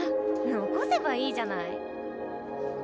・残せばいいじゃない。